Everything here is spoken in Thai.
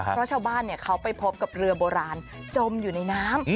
เพราะชาวบ้านเขาไปพบกับเรือโบราณจมอยู่ในน้ำ